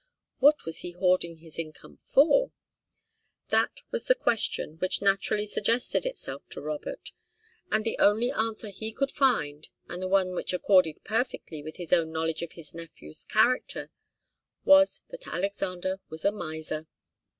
What was he hoarding his income for? That was the question which naturally suggested itself to Robert, and the only answer he could find, and the one which accorded perfectly with his own knowledge of his nephew's character, was that Alexander was a miser.